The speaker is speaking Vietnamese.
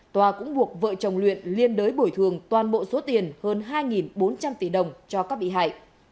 tòa cũng buộc vợ chồng luyện liên đới bồi thường toàn bộ số tiền hơn hai bốn trăm linh tỷ đồng cho các bị hại